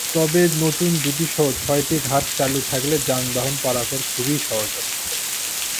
তবে নতুন দুটিসহ ছয়টি ঘাট চালু থাকলে যানবাহন পারাপার খুবই সহজ হবে।